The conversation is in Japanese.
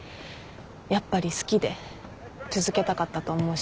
やっぱり好きで続けたかったと思うし。